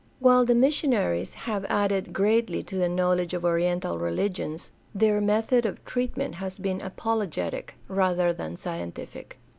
While the missionaries have added greatly to the knowledge of oriental religions, their method of treatment has been apologetic rather than scientific.